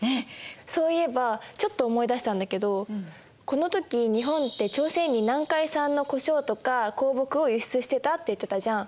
そういえばちょっと思い出したんだけどこの時日本って朝鮮に南海産の胡椒とか香木を輸出してたって言ってたじゃん。